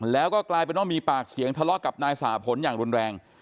แล้วก็กลายเป็นว่ามีปากเสียงทะเลาะกับนายสาผลอย่างรุนแรง